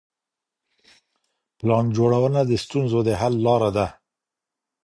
پلان جوړونه د ستونزو د حل لاره ده.